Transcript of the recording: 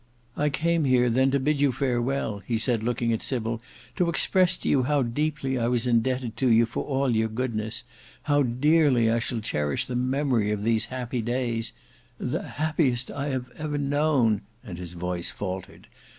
I came here then to bid you farewell," he said looking at Sybil, "to express to you how deeply I was indebted to you for all your goodness—how dearly I shall cherish the memory of these happy days—the happiest I have ever known;" and his voice faltered.